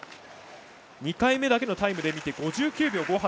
２回目だけのタイムで見て５９秒５８。